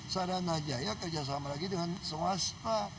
saranajaya kerjasama lagi dengan swasta